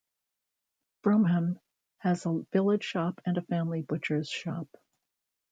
Bromham has a village shop and a family butcher's shop.